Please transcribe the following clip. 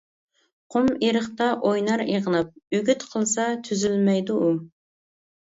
قۇم ئېرىقتا ئوينار ئېغىناپ، ئۈگۈت قىلسا، تۈزۈلمەيدۇ ئۇ.